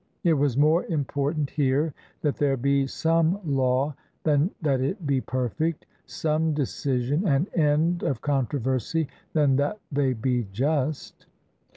It was more important here that there be some law than that it be perfect, some decision and end of contro versy than that they be just.